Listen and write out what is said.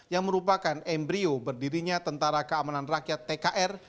yang merupakan embryo berdirinya tentara keamanan rakyat tkr